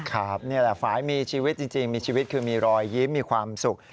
นี่แหละฝ่ายมีชีวิตจริงมีชีวิตคือมีรอยยิ้มมีความสุข